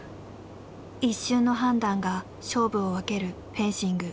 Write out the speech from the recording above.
一瞬の判断が勝負を分けるフェンシング。